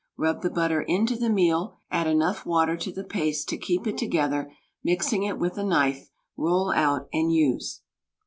Rub the butter into the meal, add enough water to the paste to keep it together, mixing it with a knife, roll out and use.